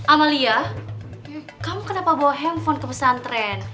amalia kamu kenapa bawa handphone ke pesantren